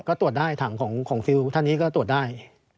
ก็ตรวจได้ถังของฟิลท่านนี้ก็ตรวจได้